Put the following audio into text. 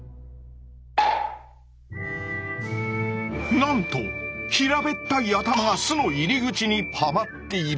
なんと平べったい頭が巣の入り口にはまっている。